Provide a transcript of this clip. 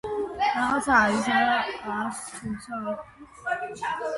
რაცაღა არის, არა არს, თუმცა არ ედგნეს ბუდენი.